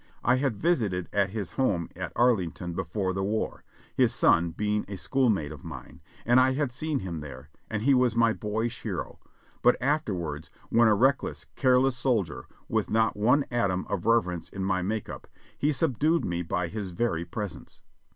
I had visited at his home at Arlington before the war, his son being a schoolmate of mine, and I had seen him there, and he was my boyish hero, but afterwards, when a reckless, care less soldier, with not one atom of reverence in my make up, he subdued me by his very presence.